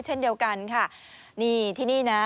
เช่นเดียวกันค่ะนี่ที่นี่นะ